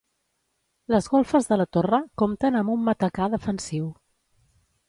Les golfes de la torre compten amb un matacà defensiu.